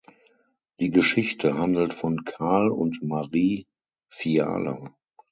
Die Geschichte handelt von Karl und Marie Fiala.